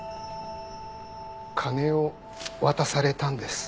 金を渡されたんです。